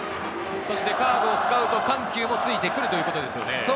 そしてカーブを使うと緩急もついてくるということですよね。